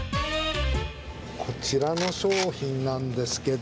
こちらの商品なんですけど。